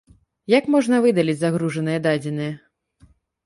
Як можна выдаліць загружаныя дадзеныя?